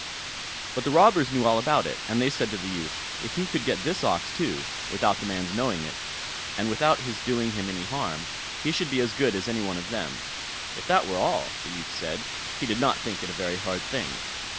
But the robbers knew all about it, and they said to the youth, if he could get this ox too, without the man's knowing it, and without his doing him any harm, he should be as good as any one of them. If that were all, the youth said, he did not think it a very hard thing.